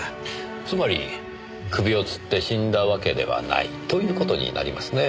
つまり首を吊って死んだわけではない。という事になりますね。